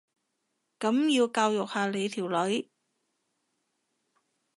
噉你要教育下你條女